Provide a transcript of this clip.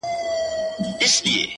• زما تصـور كي دي تصـوير ويده دی ـ